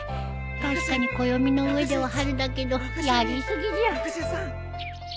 確かに暦の上では春だけどやり過ぎじゃ。